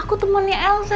aku temennya elsa